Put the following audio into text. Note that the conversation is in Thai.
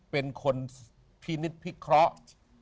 เป็นคนพินิษฐพิเคราะห์